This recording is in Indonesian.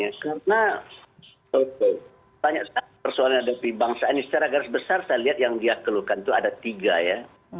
karena banyak persoalan terhadap bangsa ini secara garis besar saya lihat yang dia keluhkan itu ada tiga ya